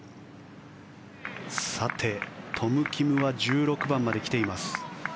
トム・キムは１６番まで来ています。